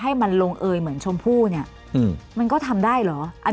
ให้มันลงเอยเหมือนชมผู้มันก็ทำได้หรอ